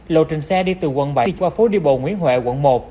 lộ trình xe đi từ quận bảy qua phố đi bộ nguyễn huệ quận một